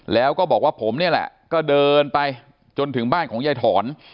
แล้วก็บอกว่าผมนี่แหละก็เดินไปจนถึงบ้านของยายถอน